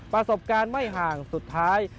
ประสบการณ์ไม่ห่างสุดท้าย